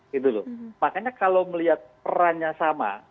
gitu loh makanya kalau melihat perannya sama